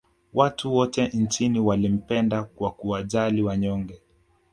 Watu wote nchini walimpenda kwa kuwajali wanyonge